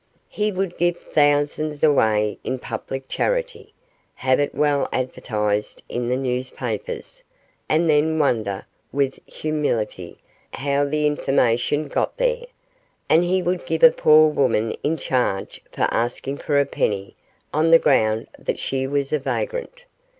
He would give thousands away in public charity, have it well advertised in the newspapers, and then wonder, with humility, how the information got there; and he would give a poor woman in charge for asking for a penny, on the ground that she was a vagrant.